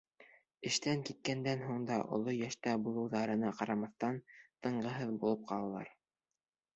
Эштән киткәндән һуң да, оло йәштә булыуҙарына ҡарамаҫтан, тынғыһыҙ булып ҡалалар.